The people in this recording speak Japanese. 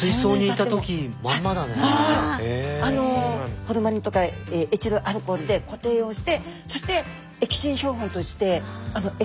あのホルマリンとかエチルアルコールで固定をしてそして液浸標本として液体の中につけるんですね。